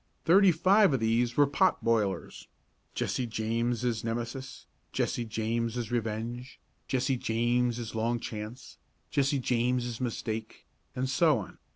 Thirty five of these were "pot boilers"; "Jesse James' Nemesis," "Jesse James' Revenge," "Jesse James' Long Chance," "Jesse James' Mistake," and so on.